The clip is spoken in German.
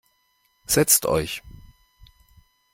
Setzt euch.